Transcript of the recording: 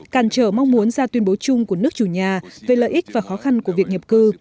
cản trở mong muốn ra tuyên bố chung của nước chủ nhà về lợi ích và khó khăn của việc nhập cư